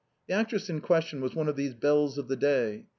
The actress in question was one of these belles of the day.